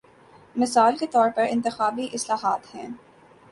مثال کے طور پر انتخابی اصلاحات ہیں۔